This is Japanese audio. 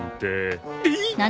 えっ！？